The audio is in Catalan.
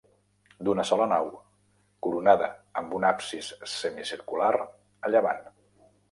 D'una sola nau, coronada amb un absis semicircular a llevant.